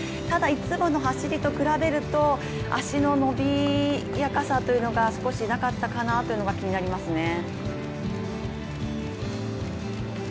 ただ、いつもの走りと比べると足の伸びやかさというのが少しなかったかなというのが気になりますね。